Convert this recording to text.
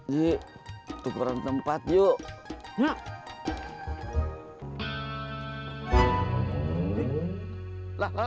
ji tukeran tempat yuk